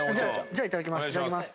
じゃあいただきます。